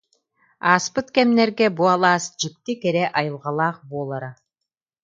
Ааспыт кэмнэргэ бу алаас дьикти кэрэ айылҕалаах буолара